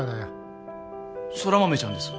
空豆ちゃんです